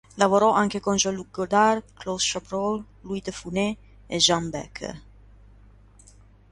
Lavorò anche con Jean-Luc Godard, Claude Chabrol, Louis de Funès e Jean Becker.